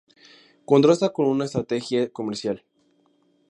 Contrasta con una estrategia comercial.